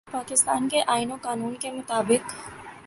پاکستان کے آئین و قانون کے مطابق